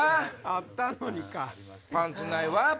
あったのにか。